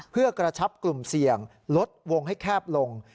เพื่อกระชับกลุ่มเสี่ยงลดวงให้แคบลง